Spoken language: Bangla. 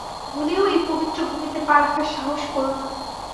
ভুলেও এই পবিত্র ভূমিতে পা রাখার সাহস করো না।